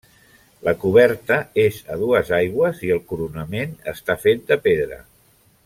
La coberta és a dues aigües i el coronament està fet de pedra.